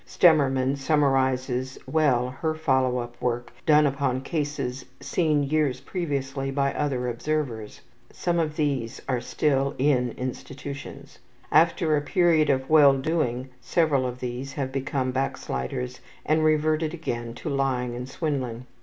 Stemmermann summarizes well her follow up work done upon cases seen years previously by other observers. Some of these are still in institutions. After a period of well doing several of these have become backsliders and reverted again to lying and swindling.